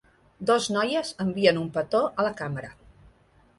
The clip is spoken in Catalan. Dos noies envien un petó a la càmera.